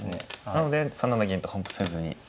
なので３七銀と本譜せずに。